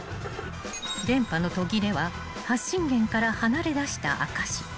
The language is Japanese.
［電波の途切れは発信源から離れだした証し］